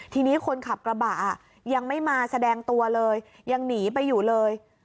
ทีนี้คนขับกระบะยังไม่มาแสดงตัวเลยยังหนีไปอยู่เลย